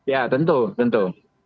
ya tentu tentu